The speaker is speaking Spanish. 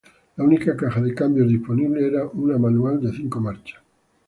La única caja de cambios disponible era una manual de cinco marchas.